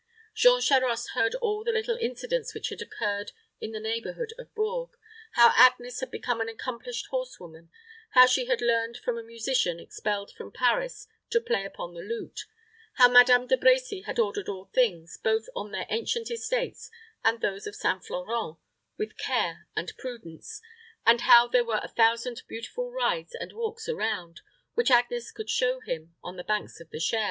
Jean Charost heard all the little incidents which had occurred in the neighborhood of Bourges; how Agnes had become an accomplished horse woman; how she had learned from a musician expelled from Paris to play upon the lute; how Madame De Brecy had ordered all things, both on their ancient estates and those of St. Florent, with care and prudence; and how there were a thousand beautiful rides and walks around, which Agnes could show him, on the banks of the Cher.